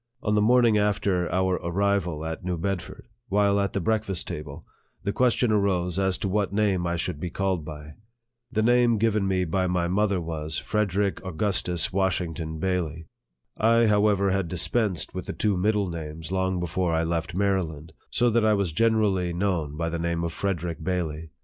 On the morning after our arrival at New Bedford, while at the breakfast table, the question arose as to what name I should be called by. The name given me by my mother was, " Frederick Au gustus Washington Bailey." I, however, had dispensed 112 NARRATIVE OF THE with the two middle names long before I left Maryland so that I was generally known by the name of " Fred erick Bailey."